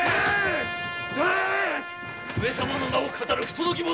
上様の名を騙る不届き者。